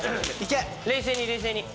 冷静に冷静に。